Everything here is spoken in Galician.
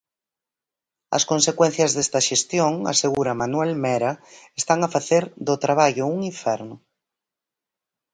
As consecuencias desta xestión, asegura Manuel Mera están a facer "do traballo un inferno".